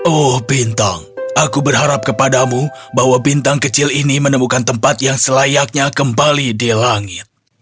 oh bintang aku berharap kepadamu bahwa bintang kecil ini menemukan tempat yang selayaknya kembali di langit